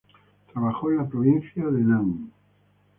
Trabajó en la provincia Henan.